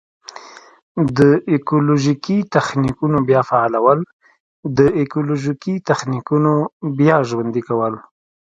د ایکولوژیکي تخنیکونو بیا فعالول: د ایکولوژیکي تخنیکونو بیا ژوندي کول.